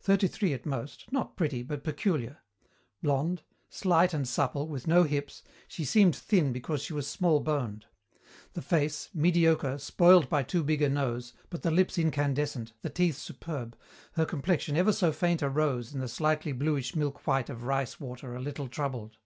Thirty three at most, not pretty, but peculiar; blonde, slight and supple, with no hips, she seemed thin because she was small boned. The face, mediocre, spoiled by too big a nose, but the lips incandescent, the teeth superb, her complexion ever so faint a rose in the slightly bluish milk white of rice water a little troubled.